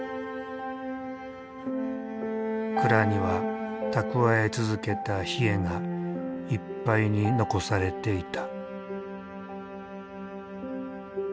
蔵には蓄え続けたヒエがいっぱいに残されていた。